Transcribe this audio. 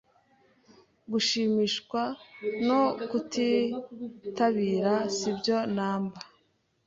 Gushimishwa no kutitabira sibyo namba.